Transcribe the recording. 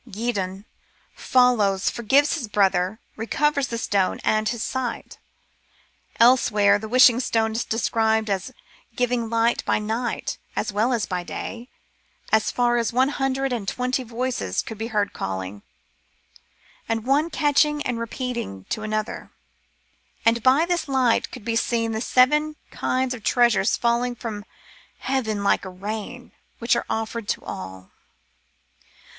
Gedon follows, forgives his brother, recovers the stone and his sight Elsewhere the Wishing stone is described as giv ing light by night as well as by day, as far as one hundred and twenty voices could be heard calling, the one catching and repeating to another ; and by 297 Curiosities of Olden Times this light could be seen the seven kinds of treasures falling from heaven like a rain, which are offered to all.